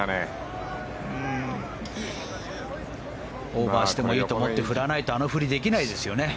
オーバーしてもいいと思って振らないとあの振りはできないですよね。